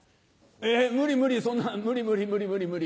無理無理そんな無理無理無理無理無理。